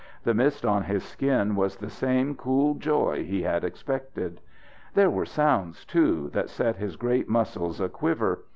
The mist on his skin was the same cool joy he had expected. There were sounds, too, that set his great muscles aquiver.